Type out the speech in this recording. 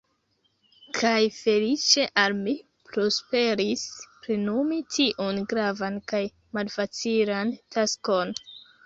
Kaj feliĉe al mi prosperis plenumi tiun gravan kaj malfacilan taskon.